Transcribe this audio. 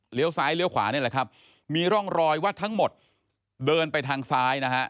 ซ้ายเลี้ยวขวานี่แหละครับมีร่องรอยว่าทั้งหมดเดินไปทางซ้ายนะฮะ